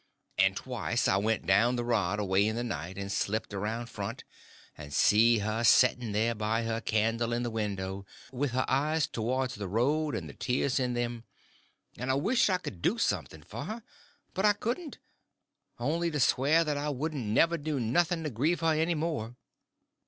And twice I went down the rod away in the night, and slipped around front, and see her setting there by her candle in the window with her eyes towards the road and the tears in them; and I wished I could do something for her, but I couldn't, only to swear that I wouldn't never do nothing to grieve her any more.